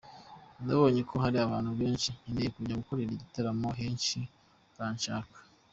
Nabonye ko hari ahantu henshi nkeneye kujya gukorera ibitaramo, henshi baranshaka.